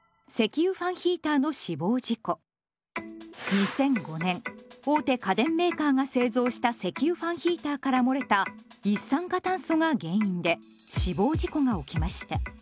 ２００５年大手家電メーカーが製造した石油ファンヒーターから漏れた一酸化炭素が原因で死亡事故が起きました。